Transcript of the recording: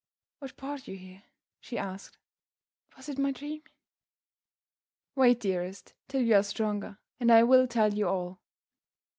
"What brought you here?" she asked. "Was it my dream?" "Wait, dearest, till you are stronger, and I will tell you all."